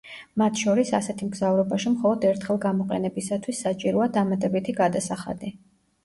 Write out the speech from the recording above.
მათ შორის, ასეთი მგზავრობაში მხოლოდ ერთხელ გამოყენებისათვის საჭიროა დამატებითი გადასახადი.